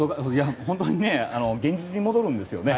本当に現実に戻るんですよね。